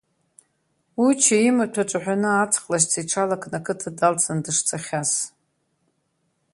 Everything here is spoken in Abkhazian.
Уча имаҭәа ҿаҳәаны аҵых лашьца иҽалакны ақыҭа далҵны дышцахьаз…